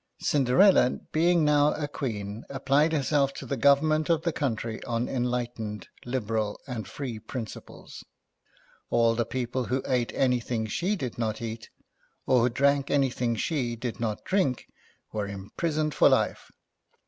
Cinderella, being now a queen, applied herself to the government of the country on enlightened, liberal, and free j principles. All the people who ate anything she did not cat, or who drank anything she did not drink, were imprisoned for life.